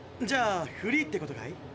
じゃあフリーってことかい？